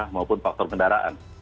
maupun faktor kendaraan